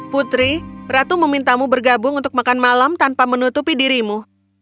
putri ratu memintamu bergabung untuk makan malam tanpa menutupi dirimu